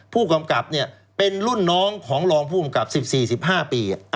ผู้กำกับเป็นรุ่นน้องของรองผู้กำกับ๑๔๑๕ปี